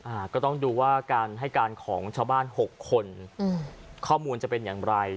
อาก็ต้องดูให้การของชาวบ้าน๖คนข้อมูลจะเป็นอย่างไร